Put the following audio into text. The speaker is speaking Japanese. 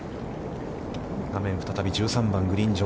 画面は再び１３番、グリーン上。